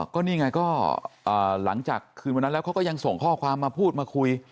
ก็นี่ไงก็หลังจากคืนวันนั้นแล้วเขาก็ยังส่งข้อความมาพูดมาคุย